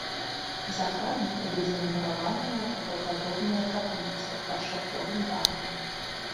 За храмам узведзена мураваная кубападобная капліца пад шатровым дахам.